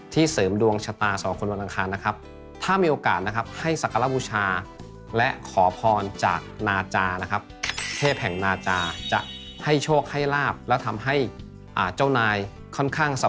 ที่เสริมดวงชะตาส